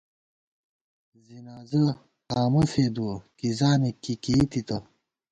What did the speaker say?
زِنازہ آمہ فېدُوَہ ، کِزانِک کی کېئی تِتہ